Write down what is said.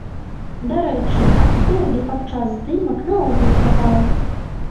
Дарэчы, абсурду падчас здымак наогул хапала.